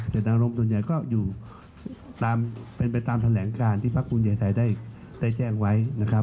เศรษฐนารมณ์ทุนใหญ่ก็เป็นไปตามแถลงการที่พระคุณเยไทยได้แจ้งไว้